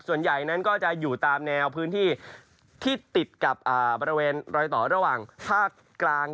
ส่วนใหญ่นั้นก็จะอยู่ตามแนวพื้นที่ที่ติดกับบริเวณรอยต่อระหว่างภาคกลาง